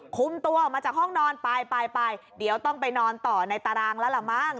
คุมตัวออกมาจากห้องนอนไปไปเดี๋ยวต้องไปนอนต่อในตารางแล้วล่ะมั้ง